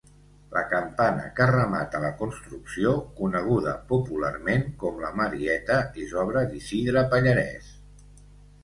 La campana que remata la construcció -coneguda popularment com la Marieta- és obra d'Isidre Pallarès.